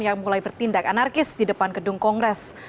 yang mulai bertindak anarkis di depan gedung kongres